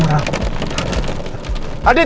tungkra andin ya